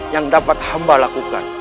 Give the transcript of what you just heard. yang dapat hamba lakukan